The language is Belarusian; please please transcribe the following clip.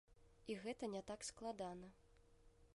І гэта не так складана.